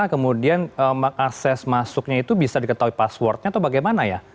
kemudian akses masuknya itu bisa diketahui passwordnya atau bagaimana ya